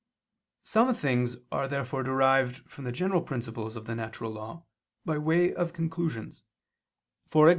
Some things are therefore derived from the general principles of the natural law, by way of conclusions; e.g.